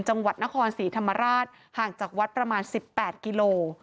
จังหวัดนครศรีธรรมราชห่างจากวัดประมาณ๑๘กิโล